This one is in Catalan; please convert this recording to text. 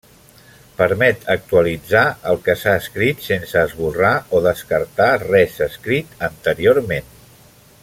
Permet actualitzar el que s'ha escrit sense esborrar o descartar res escrit anteriorment.